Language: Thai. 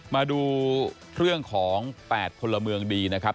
มาดูเรื่องของ๘พลเมืองดีนะครับ